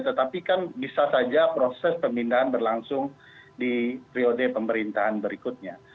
tetapi kan bisa saja proses pemindahan berlangsung di periode pemerintahan berikutnya